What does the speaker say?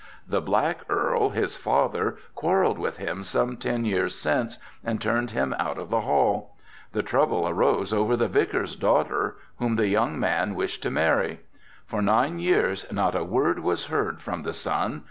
The Black Earl, his father, quarreled with him some ten years since and turned him out of the Hall. The trouble arose over the Vicar's daughter, whom the young man wished to marry. For nine years not a word was heard from the son.